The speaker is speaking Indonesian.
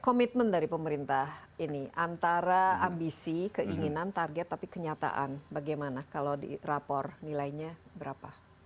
komitmen dari pemerintah ini antara ambisi keinginan target tapi kenyataan bagaimana kalau di rapor nilainya berapa